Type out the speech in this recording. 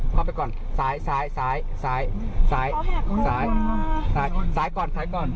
คล่อมไปก่อนซ้ายซ้ายซ้ายซ้ายซ้ายซ้ายซ้ายซ้ายซ้ายก่อนซ้ายก่อน